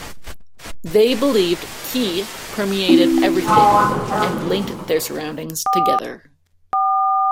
They believed "qi" permeated everything and linked their surroundings together.